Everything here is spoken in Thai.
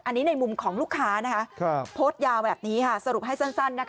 อันนี้ในมุมของลูกค้าโพสต์ยาวแบบนี้สรุปให้สั้น